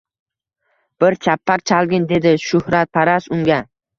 — Bir chapak chalgin, — dedi shuhratparast unga.